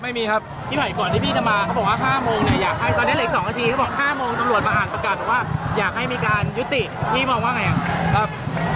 ไม่มีครับ